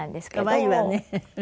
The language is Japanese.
可愛いわね。